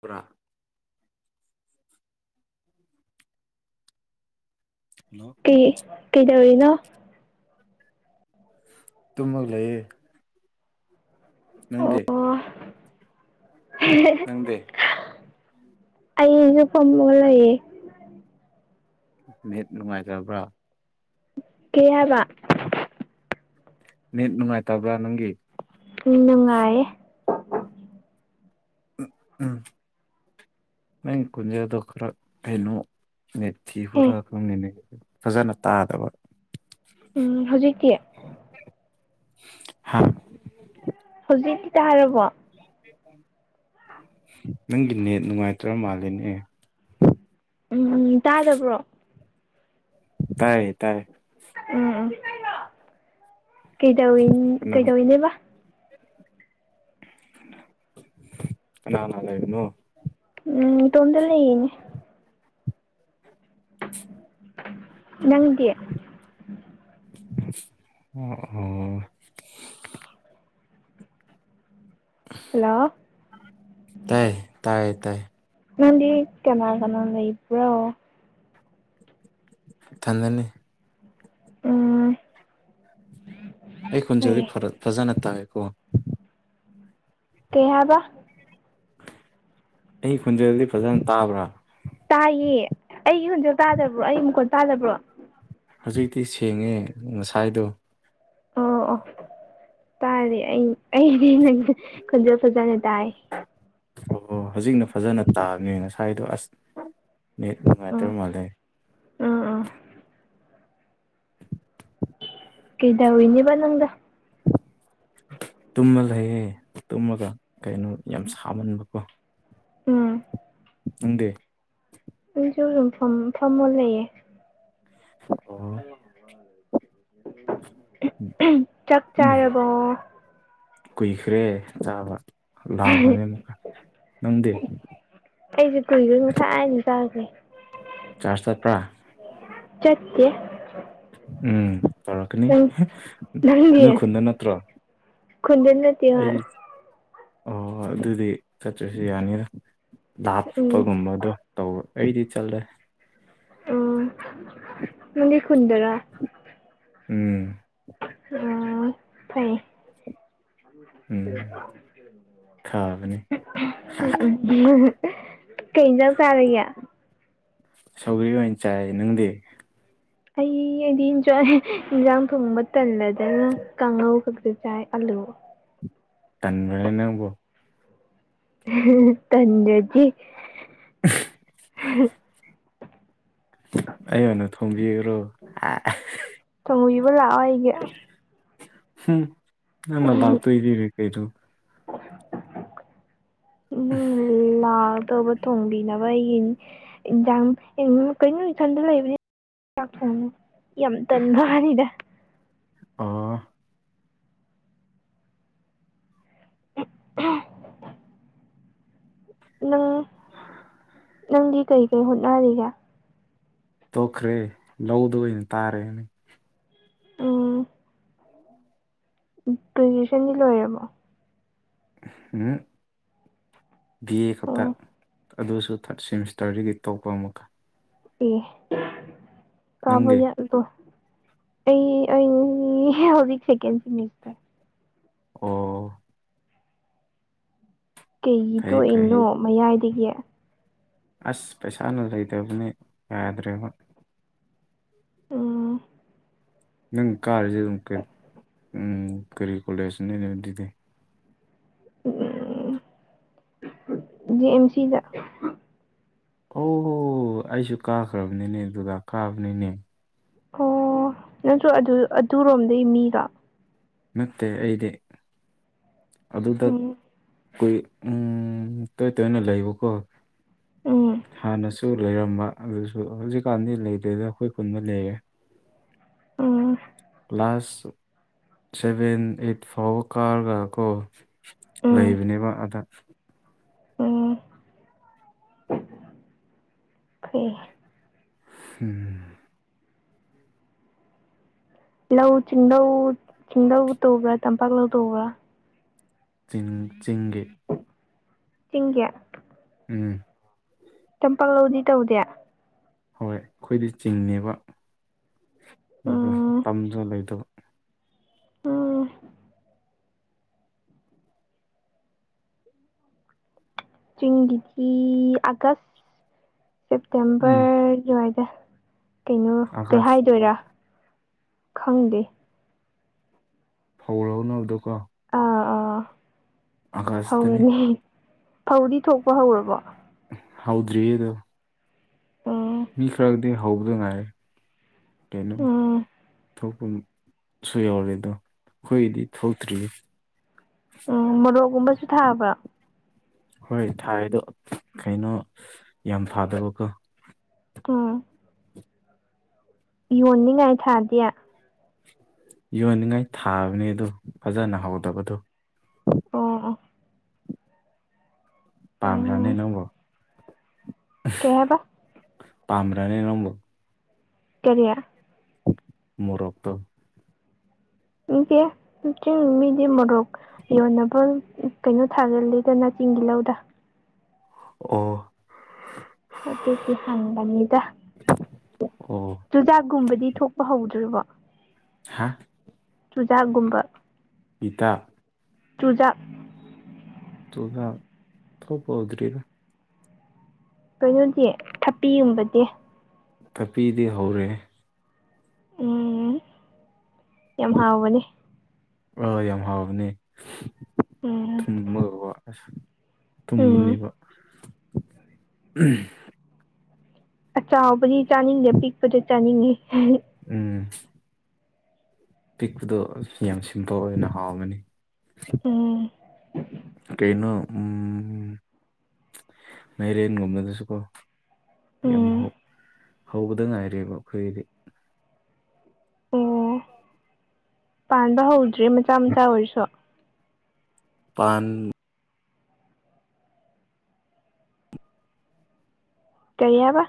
ꯄꯨꯔꯥ ꯍꯜꯂꯣ ꯀꯩ ꯀꯩꯗꯧꯔꯤꯅꯣ ꯇꯨꯝꯃꯛ ꯂꯩꯌꯦ ꯅꯪꯗꯤꯦ ꯅꯪꯗꯤ ꯑꯩꯖꯨ ꯐꯝꯃꯒ ꯂꯩꯌꯦ ꯅꯨꯡꯉꯥꯏꯇꯕ꯭ꯔꯥ ꯑꯣ ꯀꯦ ꯍꯥꯏꯕ ꯅꯅꯤꯠ ꯅꯨꯡꯉꯥꯏꯇꯕ꯭ꯔꯥ ꯅꯪꯒꯤ ꯅꯨꯡꯉꯥꯏꯌꯦ ꯎ ꯅ ꯀꯨꯟꯖꯥꯗꯣ ꯈꯔ ꯀꯩꯅꯣ ꯦꯊꯤ ꯑꯦ ꯍꯨꯔꯛꯅꯤ ꯐꯖꯅ ꯇꯥꯗꯕ ꯎꯝ ꯍꯧꯖꯤꯛꯀꯤ ꯍꯥ ꯍꯧꯖꯤꯛꯇꯤ ꯇꯥ ꯍꯥꯏꯔꯕꯣ ꯅꯪꯒꯤꯅꯦ ꯅꯨꯡꯉꯥꯏꯇ꯭ꯔ ꯃꯥꯜꯂꯤꯅꯦ ꯎꯝ ꯎꯝ ꯇꯥꯗꯕ꯭ꯔꯣ ꯇꯥꯥꯏꯔꯦ ꯇꯥꯏꯔꯦ ꯎꯝ ꯎꯝ ꯀꯩꯗꯧꯋ ꯀꯩꯗꯧꯏꯅꯦꯕ ꯀꯅꯅ ꯂꯩꯕꯅꯣ ꯎꯝ ꯇꯣꯝꯗ ꯂꯩꯌꯦꯅꯦ ꯅꯪꯗꯤ ꯑꯣ ꯑꯣ ꯍꯜꯂꯣ ꯇꯥꯏ ꯇꯥꯏ ꯇꯥꯏ ꯅꯪꯗꯤ ꯀꯅꯥ ꯀꯅꯥꯅ ꯂꯩꯕ꯭ꯔꯣ ꯏꯊꯟꯇꯅꯤ ꯎꯝ ꯑꯩ ꯈꯨꯟꯖꯦꯟꯗꯤ ꯀꯩ ꯐ ꯐꯖꯅ ꯇꯥꯏꯋꯦꯀꯣ ꯀꯩ ꯍꯥꯏꯕ ꯑꯩ ꯈꯨꯟꯖꯦꯜꯗꯤ ꯐꯖꯅ ꯇꯥꯕ꯭ꯔꯥ ꯇꯥꯏꯌꯦ ꯑꯩꯒꯤ ꯍꯣꯟꯖꯦꯜ ꯇꯥꯗꯕ꯭ꯔꯣ ꯑꯩ ꯃꯈꯣꯟ ꯇꯥꯗꯕ꯭ꯔꯣ ꯍꯧꯖꯤꯛꯇꯤ ꯁꯦꯡꯉꯦ ꯉꯁꯥꯏꯗꯣ ꯑꯣ ꯑꯣ ꯇꯥꯔꯦ ꯑꯩ ꯑꯩꯗꯤ ꯅꯪ ꯈꯣꯟꯖꯦꯜ ꯐꯖꯅ ꯇꯥꯏ ꯑꯣ ꯍꯧꯖꯤꯛꯅ ꯐꯖꯅ ꯇꯥꯕꯅꯦ ꯉꯁꯥꯏꯗꯣ ꯑꯁ ꯅꯦꯠ ꯅꯨꯉꯥꯏꯇꯕ ꯃꯥꯟꯂꯦ ꯑꯥꯑꯥ [unintelligible] ꯀꯩꯗꯧꯔꯤꯅꯦꯕ ꯅꯪꯗꯣ ꯇꯨꯝꯃ ꯂꯩꯌꯦ ꯇꯨꯝꯃꯒ ꯀꯩꯅꯣ ꯌꯥꯝ ꯁꯥꯃꯟꯕꯀꯣ ꯎꯝ ꯅꯪꯗꯤ ꯑꯩꯁꯨ ꯌꯨꯝꯐꯝ ꯐꯝꯃ ꯂꯩꯌꯦ ꯑꯣ [unintelligible] ꯆꯥꯛ ꯎꯝ ꯆꯥꯔꯕꯣ ꯀꯨꯏꯈ꯭ꯔꯦ ꯆꯥꯕ ꯂꯥꯝꯈꯔꯦ ꯑꯃꯨꯛꯀ ꯅꯪꯗꯦ ꯑꯩꯁꯨ ꯀꯨꯏꯒꯔꯦ ꯉꯁꯥꯏꯅ ꯆꯈꯔꯦ ꯆꯥꯔꯖ ꯆꯠꯄ꯭ꯔꯥ ꯆꯠꯇꯦ ꯎꯝ ꯇꯧꯔꯛꯀꯅꯤ ꯅꯪ ꯅꯪꯗꯤ ꯅꯣꯏ ꯈꯨꯟꯗ ꯅꯠꯇ꯭ꯔꯣ ꯈꯨꯟꯗ ꯅꯠꯇꯦ ꯍꯣꯏ ꯑꯩꯗꯤ ꯑꯣ ꯑꯗꯨꯗꯤ ꯆꯠꯇ꯭ꯔꯁꯨ ꯌꯥꯅꯤꯗ ꯎꯝ ꯂꯥꯞꯄꯒꯨꯝꯕꯗꯣ ꯇꯧ ꯑꯩꯗꯤ ꯆꯠꯂꯦ ꯑꯣꯅꯪꯗꯤ ꯈꯨꯟꯗꯔꯥ ꯎꯝ ꯑꯣ ꯐꯩꯌꯦ ꯎꯝ ꯐꯕꯅꯤ ꯎꯝ ꯎꯝ ꯀꯩ ꯏꯟꯖꯥꯡ ꯆꯔꯒꯦ ꯁꯧꯒ꯭ꯔꯤ ꯑꯣꯏꯅ ꯆꯥꯏ ꯅꯪꯗꯤ ꯑꯩ ꯑꯩꯗꯤ ꯏꯟꯖꯣꯏ ꯏꯟꯖꯥꯡ ꯊꯣꯡꯕ ꯇꯜꯂꯗꯅ ꯀꯥꯡꯉꯧ ꯈꯛꯇ ꯆꯥꯏ ꯑꯜꯂꯨ ꯇꯟꯕꯔ ꯅꯪꯕꯨ ꯇꯟꯗꯔꯥꯗꯤ ꯑꯩ ꯑꯣꯏꯅ ꯊꯣꯝꯕꯤꯌꯨꯔꯣ ꯊꯣꯡꯕꯤꯌꯨ ꯂꯥꯛꯑꯣ ꯑꯩꯒꯤ ꯍꯝ ꯅꯪꯅ ꯂꯥꯛꯇꯣꯏꯅꯤ ꯀꯩꯅꯣ [unintelligible] ꯅꯪ ꯂꯥꯛꯗꯧꯕ ꯊꯣꯡꯕꯤꯅꯕ ꯑꯩꯒꯤ ꯑꯦꯛꯖꯥꯝ ꯀꯔꯤꯅꯣ ꯏꯊꯟꯗ ꯂꯩꯕꯅꯤ ꯥꯆꯦꯛ ꯊꯣꯡꯕ ꯌꯥꯝ ꯇꯟꯕ ꯋꯥꯅꯤꯗ ꯑ [unintelligible] [inaudible] ꯅꯪ ꯅꯪꯗꯤ ꯀꯔꯤ ꯀꯔꯤ ꯍꯣꯠꯅꯔꯤꯒꯦ꯫ ꯇꯣꯛꯈ꯭ꯔꯦ ꯂꯧꯗ ꯑꯣꯏꯅ ꯇꯥꯔꯦꯅꯦ꯫ ꯎꯝ ꯒ꯭ꯔꯦꯖꯨꯌꯦꯦꯁꯟꯗꯤ ꯂꯣꯏꯔꯕꯣ ꯎꯝ ꯕ ꯑꯥ ꯈꯥꯛꯇꯥ ꯑꯣ ꯑꯗꯨꯁꯨ ꯊꯥꯔꯠ ꯁꯦꯃꯤꯁꯇꯔꯗꯒꯤ ꯇꯄ ꯑꯃꯨꯛꯀ ꯑꯦ ꯀꯥꯕ ꯅꯪꯗꯤ ꯌꯥ ꯑꯣ ꯑꯩ ꯑꯩ ꯍꯧꯖꯤꯛ ꯁꯦꯀꯦꯟ ꯁꯦꯃꯤꯁꯇꯔ ꯑꯣ ꯀꯩꯒꯤ ꯇ ꯐꯩ ꯐꯩ ꯊꯣꯛꯏꯅꯣ ꯃꯌꯥꯏꯗꯒꯤ꯫ ꯑꯁ ꯄꯩꯁꯥꯅ ꯂꯩꯇꯕꯅꯦ ꯌꯥꯗ꯭ꯔꯦꯕ ꯎꯝ ꯅꯪ ꯀꯥꯔꯤꯁꯦ ꯑꯗꯨꯝ ꯀ ꯎꯝ ꯀꯔꯤ ꯀꯣꯂꯦꯖꯅꯤ ꯑꯗꯨ ꯑꯗꯨ ꯑꯗꯨꯗꯤ ꯎꯝ ꯖꯤ ꯑꯦꯝ ꯁꯤꯗ ꯑꯣꯍꯣ ꯑꯩꯁꯨ ꯀꯥꯈ꯭ꯔꯕꯅꯤꯅꯦ ꯗꯨꯗꯥ ꯀꯥꯕꯅꯤꯅꯦ꯫ ꯑꯣ ꯅꯠꯇ꯭ꯔꯣ ꯑꯗꯨ ꯑꯗꯨꯔꯣꯝꯗꯩ ꯃꯤꯔꯣ ꯅꯠꯇꯦ ꯑꯩꯗꯤ ꯑꯗꯨꯗ ꯎꯝ ꯀꯨꯏ ꯎꯝ ꯇꯣꯏ ꯇꯣꯏꯅ ꯂꯩꯕꯀꯣ ꯎꯝ ꯍꯥꯟꯅꯁꯨ ꯂꯩꯔꯝꯕ ꯑꯗꯨꯁꯨ ꯍꯧꯖꯤꯛꯀꯥꯟꯗꯤ ꯂꯩꯗꯣꯏꯗ ꯑꯩꯈꯣꯏ ꯄꯨꯨꯟꯕ ꯂꯩꯔꯦ꯫ ꯑꯣ ꯀ꯭ꯂꯥꯁ ꯁꯦꯚꯦꯟ ꯑꯦꯠ ꯐꯥꯎꯕ ꯀꯥꯔꯒꯀꯣ ꯎꯝ ꯂꯩꯕꯅꯦꯕ ꯑꯗ ꯎꯝ ꯐꯩ꯫ [unintelligible] ꯂꯧ ꯆꯤꯡꯗꯧ ꯆꯤꯡꯗꯧ ꯇꯧꯕ꯭ꯔꯥ ꯇꯝꯄꯥꯛ ꯂꯧ ꯇꯧꯕ꯭ꯔꯥ ꯆꯤꯡ ꯆꯤꯡꯒꯤ ꯆꯤꯡꯒꯤ꯫ ꯎꯝ ꯇꯝꯄꯥꯛꯛꯂꯗꯤ ꯇꯧꯗꯦ꯫ ꯍꯣꯏ ꯑꯩꯈꯣꯏꯗꯤ ꯆꯤꯡꯅꯦꯕ ꯑꯗꯨꯒ ꯎꯝ ꯇꯝꯗꯨ ꯂꯩꯗꯕ ꯎꯝ ꯆꯤꯡꯒꯤꯗꯤ ꯑꯥꯒꯁ ꯎꯝ ꯁꯦꯞꯇꯦꯝꯕꯔꯒꯤꯋꯥꯏꯗ ꯀꯩꯅꯣ ꯀꯩ ꯑꯥꯀꯥꯁ ꯍꯥꯏꯗꯣꯏꯔꯥ ꯈꯪꯗꯦ꯫ ꯐꯧꯔ ꯍꯧꯅꯕꯗꯣꯀꯣ ꯑꯥ ꯑꯥ ꯑꯥꯀꯥꯁꯇꯅꯤ ꯍꯧꯔꯅꯤ ꯐꯧꯗꯤ ꯊꯣꯛꯄ ꯍꯧꯔꯕꯣ ꯍꯥꯎꯗ꯭ꯔꯤ ꯑꯗꯨ ꯎꯝ ꯃꯤ ꯈꯔꯗꯤ ꯍꯧꯕꯗ ꯉꯥꯏꯔꯦ ꯀꯩꯅꯣꯝ ꯎꯝ ꯊꯣꯛꯐꯝꯁꯨ ꯌꯥꯎꯔꯦ ꯑꯗꯣ ꯑꯩꯈꯣꯏꯒꯤꯗꯤ ꯊꯣꯛꯇ꯭ꯔꯤꯌꯦ꯫ ꯎꯝ ꯃꯣꯔꯣꯛꯒꯨꯝꯕꯁꯨ ꯊꯥꯕ꯭ꯔꯥ ꯍꯣꯏ ꯊꯥꯏꯗꯣ ꯀꯩꯅꯣ ꯌꯥꯝ ꯐꯗꯕꯀꯣ ꯀ ꯌꯣꯟꯅꯤꯡꯉꯥꯏ ꯊꯥꯗꯤ꯫ ꯌꯣꯟꯅꯤꯡꯉꯥꯏ ꯊꯥꯕꯅꯦ ꯑꯗꯨ ꯐꯖꯅ ꯍꯧꯗꯕꯗꯣ ꯑꯣ ꯄꯥꯝꯔꯥꯅꯦ ꯎꯝ ꯅꯪꯕꯣ꯫ ꯀꯦꯕ ꯇꯥꯝ꯭ꯔꯥꯅꯦ ꯅꯝꯕꯣ ꯀꯔꯤ ꯃꯣꯔꯛꯇ ꯏꯆꯦ ꯆꯤꯡ ꯃꯤꯗꯤ ꯃꯣꯔꯣꯛ ꯌꯣꯟꯅꯕ ꯎꯝ ꯀꯩꯅꯣ ꯊꯥꯒꯜꯂꯤꯗꯅ ꯆꯤꯡꯒꯤ ꯂꯧꯗ ꯑꯣ ꯑꯗꯨꯒꯤ ꯍꯪꯕꯅꯤꯗ ꯑꯣ ꯆꯨꯖꯥꯛꯀꯨꯝꯕꯗꯤ ꯊꯣꯛꯄ ꯍꯧꯗ꯭ꯔꯤꯕꯣ ꯍꯥꯥ ꯆꯨꯖꯥꯛꯒꯨꯝꯕ ꯄꯤꯇꯥ ꯇꯨꯖꯥ ꯇꯒ ꯊꯣꯗ꯭ꯔꯔꯤꯒ ꯀꯩꯅꯣꯗꯤ ꯊꯄꯤꯒꯨꯝꯕꯗꯤ ꯀꯞꯄꯤꯗꯤ ꯍꯧꯔꯦ ꯎꯝ ꯌꯥꯝ ꯍꯥꯎꯕꯅꯦ ꯑ ꯌꯥꯝ ꯍꯥꯎꯕꯅꯤ ꯎꯝ ꯊꯨꯝꯃꯒ ꯑꯁ ꯎꯝ ꯇꯨꯝꯕꯅꯦꯕ ꯆꯥꯎꯕꯗꯤ ꯆꯥꯅꯤꯡꯗꯦ ꯑꯄꯤꯛꯄꯁꯨ ꯆꯥꯅꯤꯡꯉꯤ ꯎꯝ ꯄꯤꯛꯄꯗꯣ ꯌꯥꯝ ꯁꯤꯝꯄꯜ ꯑꯣꯏꯅ ꯍꯥꯎꯒꯅꯤ ꯎꯝ ꯀꯩꯅꯩꯅꯣ ꯎ ꯃꯦꯔꯤꯟ ꯨꯝꯝꯅꯗꯁꯨ ꯀꯣ ꯌꯥꯝ ꯎꯝ ꯍꯧꯕꯗ ꯉꯥꯏꯔꯕ ꯑꯩꯈꯣꯏꯗꯤ ꯑꯣ ꯄꯥꯟꯕ ꯍꯧꯗ꯭ꯔꯦ ꯃꯆꯥ ꯃꯆꯥ ꯑꯣꯏꯔꯁꯨ ꯄꯥꯟ ꯀꯩꯕ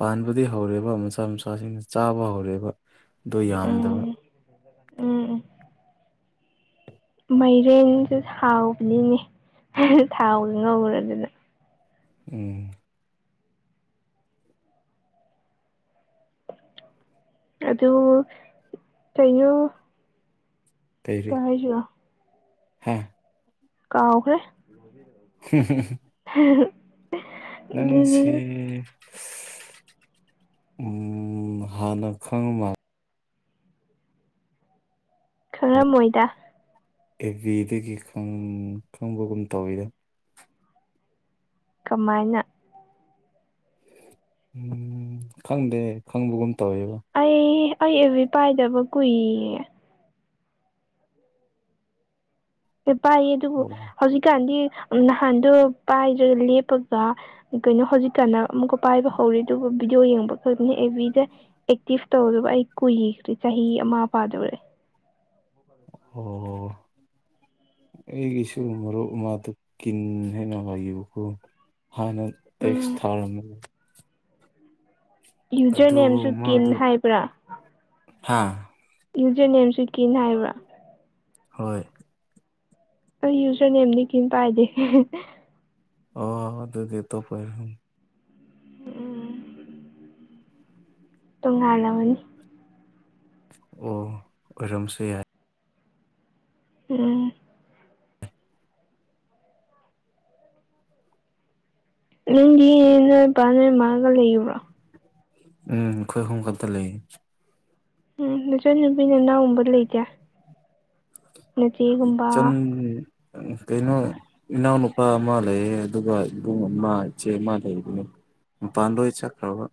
ꯄꯥꯟꯕꯗꯤ ꯍꯧꯔꯦꯕ ꯃꯆꯥ ꯃꯆꯥꯁꯤꯡꯅ ꯆꯥꯕ ꯍꯧꯔꯛꯦꯕ ꯑꯗꯨꯣ ꯌꯥꯝꯗꯕ ꯎꯝ ꯎꯝ ꯎꯝ ꯃꯥꯏꯔꯦꯟꯁꯨ ꯊꯥꯎꯕꯅꯤꯅꯦ ꯊꯥꯎ ꯉꯧꯔꯗꯨꯅ ꯎꯝ ꯑꯗꯨ ꯀꯩꯅꯣ ꯀꯩ ꯇꯩꯔꯤ ꯍꯥꯏꯁꯤꯔꯣ ꯍꯥ ꯀꯥꯎꯈ꯭ꯔꯦ ꯍꯝ ꯍꯨꯝ ꯎ ꯅꯪ ꯁꯤ ꯎꯝ ꯍꯅ ꯈꯪ ꯃꯥ ꯈꯪꯔꯝꯃꯣꯏꯗ ꯑꯦꯕꯤꯕꯤꯗꯒꯤ ꯈꯪꯕꯒꯨꯝ ꯇꯧꯋꯤꯗ ꯀꯃꯥꯏꯅ ꯎꯝ ꯈꯪꯗꯦ ꯈꯪꯕꯒꯨꯝ ꯇꯧꯋꯦꯕ ꯑꯩ ꯑꯩ ꯏꯕꯤ ꯄꯥꯏꯗꯕ ꯀꯨꯏꯌꯦ ꯄꯥꯏꯌꯦ ꯑꯗꯨꯕꯨ ꯑꯣ ꯍꯧꯖꯤꯛꯀꯥꯟꯗꯤ ꯅꯍꯥꯟꯗꯣ ꯄꯥꯏꯗ꯭ꯔꯒ ꯂꯦꯞꯄꯒ ꯀꯩꯅꯣ ꯍꯧꯖꯤꯛꯀꯥꯟꯅ ꯑꯃꯨꯛꯀ ꯄꯥꯏꯕ ꯍꯧꯔꯦ ꯑꯗꯨꯒ ꯚꯕꯤꯗꯤꯑꯣ ꯌꯦꯡꯕ ꯈꯛꯇꯅꯤ ꯑꯦ ꯕꯤꯗ ꯑꯦꯛꯇꯤꯞ ꯇꯧꯗꯕ ꯑꯩ ꯀꯨꯏꯈ꯭ꯔꯦ ꯆꯍꯤ ꯑꯃ ꯄꯥꯗꯧꯔꯦ ꯑꯣ ꯑꯩꯒꯤꯁꯨ ꯃꯔꯨꯞ ꯑꯃꯥꯗꯨ ꯀꯟ ꯍꯥꯏꯅ ꯍꯥꯏꯕꯀꯣ ꯍꯅ ꯇꯦꯛꯁ ꯎꯝ ꯊꯥꯔ ꯌꯨꯖꯔ ꯑꯗꯨ ꯅꯦꯝꯁꯨ ꯀꯤꯟ ꯍꯥꯏꯕ꯭ꯔꯥ ꯍꯥꯥ ꯌꯨꯖꯤꯔ ꯅꯦꯝꯁꯨ ꯀꯟ ꯍꯥꯏꯕ꯭ꯔꯥ ꯍꯣꯏ ꯑꯩ ꯌꯨꯖꯔ ꯅꯦꯝꯅꯤ ꯀꯝ ꯄꯥꯏꯗꯦ ꯑꯣ ꯑꯗꯨꯗꯤ ꯑꯇꯣꯄ [unintelligible] ꯎꯝ ꯇꯨꯡꯉꯥꯟꯂ ꯑꯃꯅꯤ ꯑꯣ ꯑꯣꯏꯔꯝꯁꯨ ꯌꯥꯏ ꯎꯝ ꯅꯪꯗꯤ ꯅꯣꯏ ꯕꯥ ꯅꯣꯏ ꯃꯉꯥꯒ ꯂꯩꯔꯤꯕ꯭ꯔꯣ ꯎꯝ ꯑꯩꯈꯣꯏ ꯑꯍꯨꯝ ꯈꯛꯇ ꯂꯩꯌꯦ ꯎꯝ ꯅꯆ ꯅꯨꯨꯄꯤ ꯅꯅꯥꯎꯨꯝꯕ ꯂꯩꯇꯦ ꯅꯆꯦꯒꯨꯝꯕ ꯆꯟ ꯀꯩꯅꯣ ꯏꯅꯥꯎ ꯅꯨꯨꯄꯥ ꯃꯥ ꯂꯩꯌꯦ ꯑꯗꯨꯒ ꯏꯕꯨꯡ ꯑꯃ ꯏꯆꯦ ꯃꯥ ꯂꯩ ꯑꯗꯨꯅꯦ ꯃꯄꯥꯟꯗ ꯑꯣꯏ ꯆꯠꯈ꯭ꯔꯕ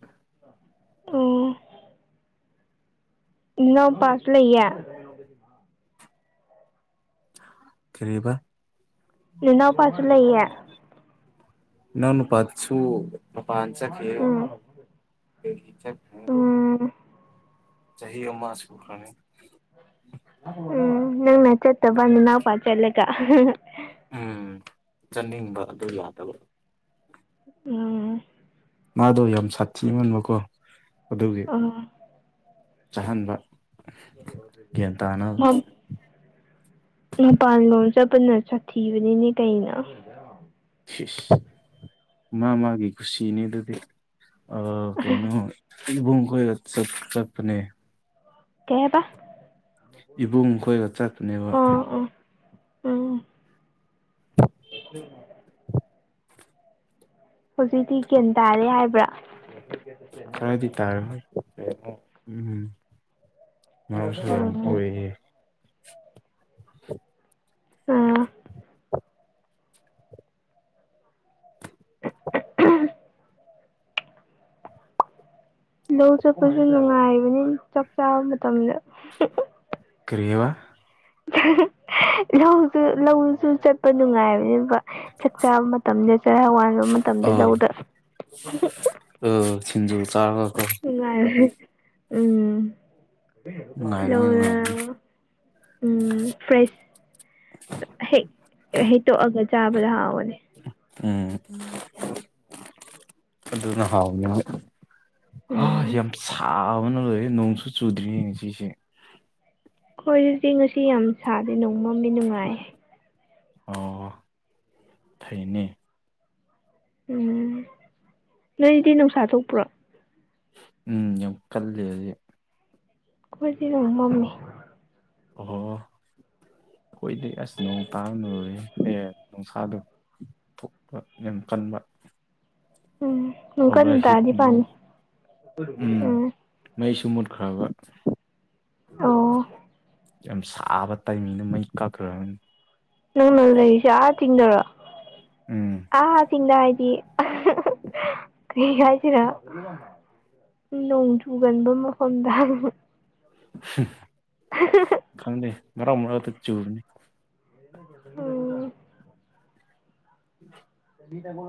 ꯑꯣ ꯏꯅꯥꯎꯄꯁꯨ ꯂꯩꯌꯦ ꯀꯔꯤꯕꯥ ꯅꯅꯥꯎꯄꯥꯁꯨ ꯂꯩꯌꯦ ꯏꯅꯥꯎꯅꯨꯄꯥꯗꯨꯁꯨꯨ ꯃꯄꯥꯜ ꯆꯠꯈꯤꯌꯦ ꯎꯝ ꯆꯠ꯭ꯔ ꯎꯝ ꯆꯍꯤ ꯑꯃ ꯁꯨꯈ꯭ꯔꯅꯤ ꯎꯝ ꯅꯪ ꯅ ꯆꯠꯇꯕ ꯅꯅꯥꯎ ꯄꯥ ꯆꯠꯂꯒ ꯎꯝ ꯆꯠꯅꯤꯡꯕ ꯑꯗꯨ ꯌꯥꯗꯕ ꯎꯝ ꯃꯥꯗꯣ ꯌꯥꯝ ꯁꯥꯊꯤꯍꯟꯕꯀꯣ ꯑꯗꯨꯒꯤ ꯑꯣ ꯆꯥꯍꯟꯕ ꯒ꯭ꯌꯥꯟ ꯇꯥꯅꯕ ꯃꯥꯝ ꯃꯄꯥꯟꯂꯣꯝ ꯆꯠꯄꯅ ꯁꯥꯊꯤꯕꯅꯤꯅꯦ ꯀꯩꯅ ꯁꯤꯁ ꯃꯥ ꯃꯥꯒꯤ ꯀꯨꯁꯤꯅꯦ ꯑꯗꯨꯗꯤ ꯀꯩꯅꯣ ꯏꯕꯣꯡꯈꯣꯏ ꯆꯠ ꯅꯠꯄꯅꯦ ꯀꯩ ꯍꯥꯏꯕ ꯏꯕꯨꯡ ꯈꯣꯏꯒ ꯆꯠꯄꯅꯦꯕ ꯑꯥ ꯑ [unintelligible] ꯍꯧꯖꯤꯛꯇꯤ ꯒ꯭ꯦꯟ ꯇꯥꯔꯦ ꯍꯥꯏꯕ꯭ꯔꯥ ꯈꯔꯗꯤ ꯇꯥꯔꯝꯃꯅꯤ [unintelligible] ꯃꯔꯝꯁꯨ ꯌꯥꯝ ꯎꯝ ꯑꯣꯏꯌꯦ ꯑ ꯂꯧ ꯆꯠꯄꯁꯨ ꯅꯨꯡꯉꯥꯏꯕꯅꯤ ꯆꯥꯛ ꯆꯥꯕ ꯃꯇꯝꯗ ꯀꯔꯤꯕ ꯂꯧꯁꯨ ꯂꯧꯁꯨ ꯆꯠꯄ ꯅꯨꯡꯉꯥꯏꯕꯅꯦꯕ ꯆꯥꯛ ꯆꯥꯕ ꯃꯇꯝꯗ ꯆꯔ ꯋꯥꯜꯕ ꯃꯇꯝꯗ ꯑꯧ ꯂꯧꯗ ꯊꯤꯟꯖꯨ ꯆꯥꯔꯒ ꯀꯣ ꯅꯨꯉꯥꯏ ꯅꯨꯡꯉꯥꯏꯕꯅꯤ ꯅꯨꯡꯉꯥꯏꯕꯅꯤ [unintelligible] ꯎꯝ ꯐ꯭ꯔꯦꯁ ꯍꯦꯛ ꯍꯩꯇꯣꯛꯑꯒ ꯆꯥꯕꯗ ꯍꯥꯎꯕꯅꯦ ꯎꯝ ꯑꯗꯨꯅ ꯍꯥꯎꯅꯤ ꯑ ꯎꯝ ꯌꯥꯝ ꯁꯥꯕꯅ ꯂꯣꯔꯦ ꯅꯣꯡꯁꯨ ꯆꯨꯗ꯭ꯔꯤꯌꯦ ꯉꯁꯤꯁꯦ ꯍꯣꯏ ꯗꯤ ꯆꯤꯡ ꯉꯁꯤ ꯌꯥꯝ ꯁꯥꯗꯦ ꯅꯣꯡꯃꯝꯗꯤ ꯅꯨꯡꯉꯥꯏ ꯑꯣ ꯐꯩꯅꯦ ꯎꯝ ꯅꯣꯏꯗꯤ ꯅꯨꯡꯁꯥ ꯊꯣꯛꯄ꯭ꯔꯣ ꯎꯝ ꯌꯥꯝ ꯀꯜꯂꯦ ꯍꯧꯖꯤꯛ ꯑꯩꯈꯣꯏꯗꯤ ꯅꯣꯡ ꯃꯝꯃꯤ ꯑꯣꯍꯣ ꯑꯡꯗꯤꯑꯁ ꯅꯣꯡ ꯇꯥꯔ ꯂ ꯑꯦ ꯅꯨꯡꯁꯥꯗꯨꯣ ꯊꯣꯛꯄ ꯌꯦꯝ ꯀꯟꯕ ꯎꯝ ꯏꯀ ꯑꯣꯚꯔ ꯅꯨꯗꯗꯤ ꯍꯤꯠꯅꯦꯕ ꯐꯅꯤ ꯎꯝ ꯃꯩꯁꯨ ꯃꯨꯠꯈ꯭ꯔꯕ ꯑꯣ ꯌꯥꯝ ꯁꯥꯕ ꯇꯥꯏꯃꯤꯡꯅ ꯃꯩ ꯀꯛꯈ꯭ꯔꯅꯤ ꯅꯪꯅ ꯂꯩꯔꯤꯁꯦ ꯑꯥ ꯆꯤꯡꯗꯔꯣ ꯎꯝ ꯑꯥꯥ ꯆꯤꯡꯗ ꯍꯥꯏꯗꯤ ꯀꯩ ꯍꯥꯏꯁꯤꯔꯥ ꯅꯣꯡꯖꯨꯒꯟꯕ ꯃꯐꯝꯗ ꯑꯃ ꯀꯪꯗꯦ ꯃꯔꯛ ꯃꯛ ꯇ ꯆꯨꯨꯔꯅꯤ ꯎꯝ ꯎꯝ ꯃꯤꯣ